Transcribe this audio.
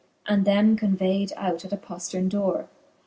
And them convayd out at a pofterne dore.